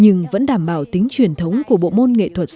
nhưng vẫn đảm bảo tính truyền thống của bộ môn nghệ thuật dân tộc